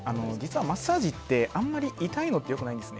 マッサージって痛すぎるのは良くないんです。